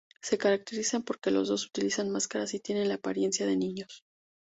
Se caracterizan por que los dos utilizan máscaras y tienen la apariencia de niños.